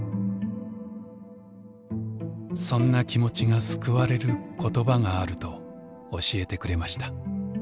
そんな気持ちが救われる言葉があると教えてくれました。